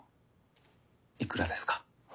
いくらですか？